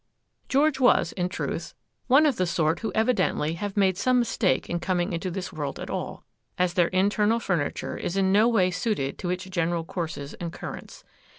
George was, in truth, one of the sort who evidently have made some mistake in coming into this world at all, as their internal furniture is in no way suited to its general courses and currents.